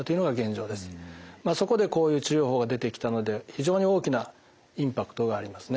そこでこういう治療法が出てきたので非常に大きなインパクトがありますね。